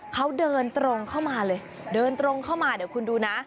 เขาเดินตรงเข้ามาเลยเดินตรงเข้ามาเดี๋ยวคุณดูนะ